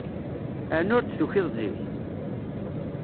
Ɛni ur d-tukiḍ zik?